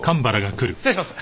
失礼します。